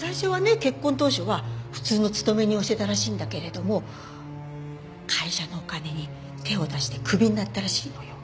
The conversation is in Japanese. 結婚当初は普通の勤め人をしてたらしいんだけれども会社のお金に手を出してクビになったらしいのよ。